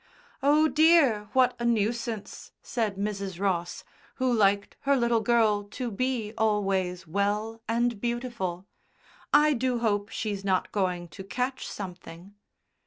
"Oh, dear! What a nuisance," said Mrs. Ross who liked her little girl to be always well and beautiful. "I do hope she's not going to catch something."